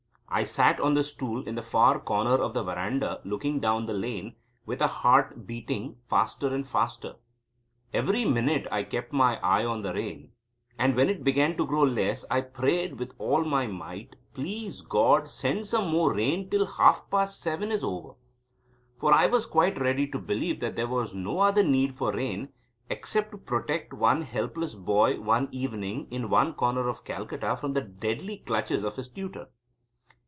I sat on the stool in the far corner of the veranda looking down the lane, with a heart beating faster and faster. Every minute I kept my eye on the rain, and when it began to grow less I prayed with all my might; "Please, God, send some more rain till half past seven is over." For I was quite ready to believe that there was no other need for rain except to protect one helpless boy one evening in one corner of Calcutta from the deadly clutches of his tutor.